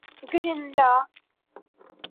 Grenada